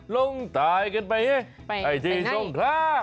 ลงตายกันไปให้ที่ทรงคลา